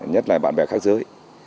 nhất là bạn bè khác giới